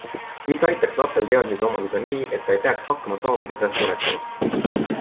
Mis aitaks lapsel teadmisi omandada nii, et ta ei peaks hakkama saamise pärast muretsema?